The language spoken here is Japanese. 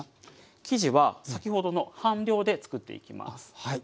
生地は先ほどの半量でつくっていきます。